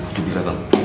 sudah bisa bang